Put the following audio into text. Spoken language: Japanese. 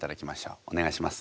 お願いします。